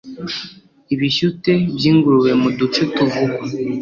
ibishyute by’ingurube mu duce tuvugwa